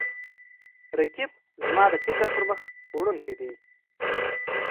رقیب زما د فکر پرمخ وړونکی دی